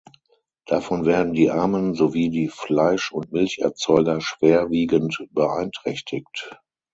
Davon werden die Armen sowie die Fleisch- und Milcherzeuger schwerwiegend beeinträchtigt.